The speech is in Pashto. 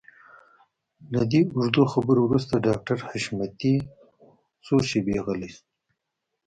له دې اوږدو خبرو وروسته ډاکټر حشمتي څو شېبې غلی شو.